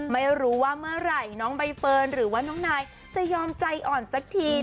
ไม่รู้ว่าเมื่อไหร่น้องใบเฟิร์นหรือว่าน้องนายจะยอมใจอ่อนสักที